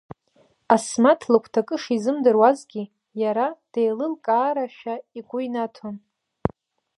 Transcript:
Асмаҭ лыгәҭакы шизымдыруазгьы, иара деилылкаарашәа игәы инаҭон…